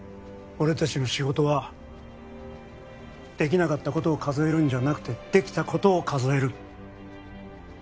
俺達の仕事はできなかったことを数えるんじゃなくてできたことを数える